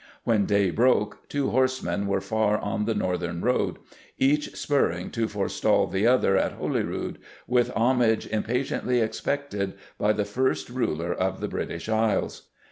When day broke two horsemen were far on the northern road, each spurring to forestall the other at Holyrood with homage impatiently expected by the first ruler of the British Isles.